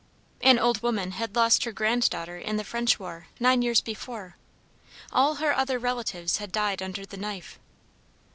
An old woman had lost her granddaughter in the French war, nine years before. All her other relatives had died under the knife.